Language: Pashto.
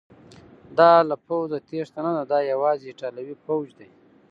دا له پوځه تیښته نه ده، دا یوازې ایټالوي پوځ دی.